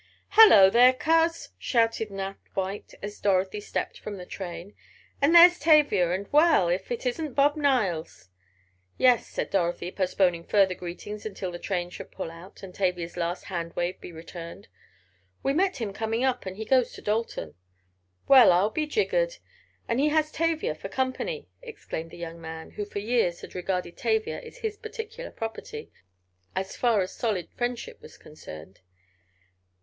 "Hello there, Coz!" shouted Nat White, as Dorothy stepped from the train. "And there's Tavia—and well! If it isn't Bob Niles!" "Yes," said Dorothy, postponing further greetings until the train should pull out, and Tavia's last hand wave be returned. "We met him coming up, and he goes to Dalton." "Well I'll be jiggered! And he has Tavia for company!" exclaimed the young man, who for years had regarded Tavia as his particular property, as far as solid friendship was concerned.